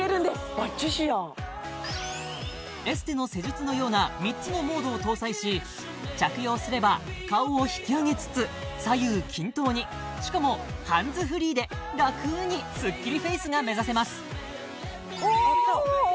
バッチシやんエステの施術のような３つのモードを搭載し着用すれば顔を引き上げつつ左右均等にしかもハンズフリーでラクにスッキリフェイスが目指せます